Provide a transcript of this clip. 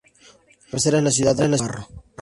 Su cabecera es la ciudad de Navarro.